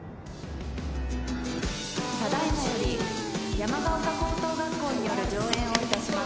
ただ今より山ヶ丘高等学校による上演をいたします。